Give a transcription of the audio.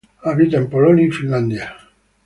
Habita en Polonia y Finlandia.